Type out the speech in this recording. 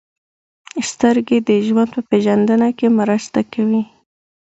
• سترګې د ژوند په پېژندنه کې مرسته کوي.